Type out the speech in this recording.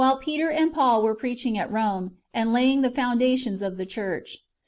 259 Peter and Paul were preaching at Eome, and laying the foundations of the church.